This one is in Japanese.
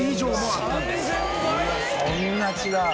そんな違う？